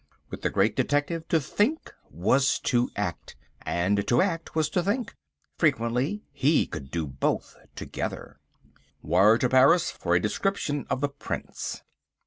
With the Great Detective to think was to act, and to act was to think. Frequently he could do both together. "Wire to Paris for a description of the Prince."